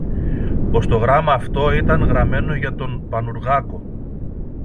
πως το γράμμα αυτό ήταν γραμμένο για τον Πανουργάκο.